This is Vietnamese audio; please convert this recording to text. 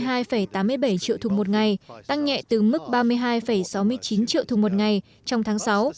sản lượng của opec tăng nhẹ từ ba mươi hai tám mươi bảy triệu thùng một ngày tăng nhẹ từ mức ba mươi hai sáu mươi chín triệu thùng một ngày trong tháng sáu